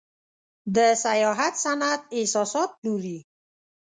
د سیاحت صنعت احساسات پلوري.